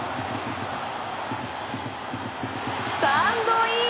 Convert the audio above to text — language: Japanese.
スタンドイン！